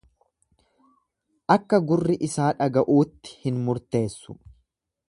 Akka gurri isaa dhaga'uuttis hin murteessu.